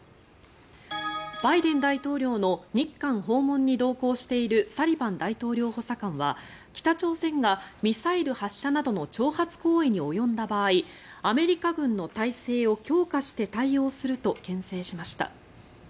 バイデン大統領の日韓訪問に同行しているサリバン大統領補佐官は北朝鮮がミサイル発射などの挑発行為に及んだ場合アメリカ軍の態勢を強化して対応するとけん制しました。